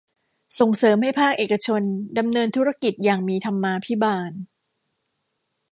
ส่งเสริมให้ภาคเอกชนดำเนินธุรกิจอย่างมีธรรมาภิบาล